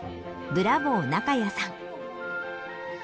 ブラボー中谷さん。